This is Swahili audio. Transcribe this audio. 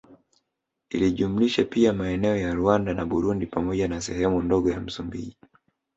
Ilijumlisha pia maeneo ya Rwanda na Burundi pamoja na sehemu ndogo ya Msumbiji